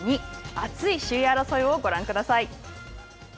熱い首位争いをご覧ください。